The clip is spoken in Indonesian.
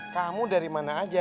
kamu dari mana aja